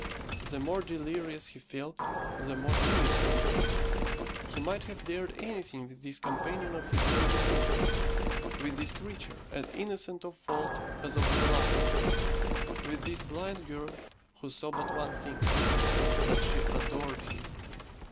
The more delirious he felt, the more timid he became. He might have dared anything with this companion of his early youth, with this creature as innocent of fault as of the light, with this blind girl who saw but one thing that she adored him!